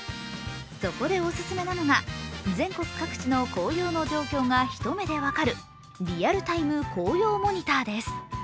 そこでオススメなのは全国各地の紅葉の状況が一目で分かるリアルタイム紅葉モニターです。